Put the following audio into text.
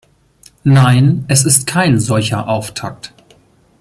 Nein, es ist kein solcher Auftakt.